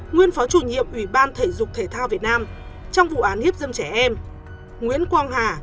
nguyên phó chủ nhiệm ủy ban thể dục thể thao việt nam trong vụ án hiếp dâm trẻ em nguyễn quang hà